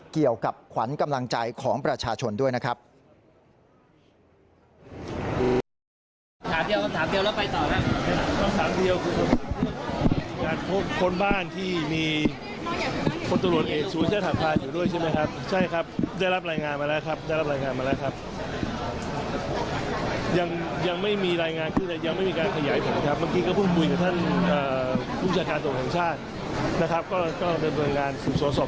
เกี่ยวกับขวัญกำลังใจของประชาชนด้วยนะครับ